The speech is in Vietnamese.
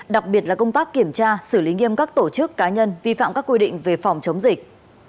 đặc biệt là công tác kiểm tra xử lý nghiêm các tổ chức cá nhân vi phạm các quy định về phòng chống dịch